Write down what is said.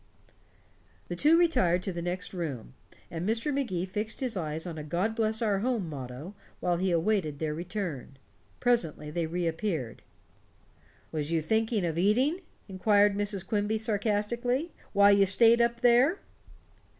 The two retired to the next room, and Mr. Magee fixed his eyes on a "God Bless Our Home" motto while he awaited their return. Presently they reappeared. "Was you thinking of eating?" inquired Mrs. Quimby sarcastically, "while you stayed up there?"